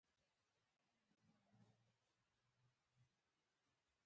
راتګ په اراده بېرته تګ په اجازه د مېلمه پالنې اصول ښيي